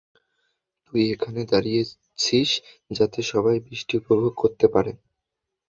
তুই এখানে দাঁড়িয়েছিস যাতে সবাই বৃষ্টি উপভোগ করতে পারে।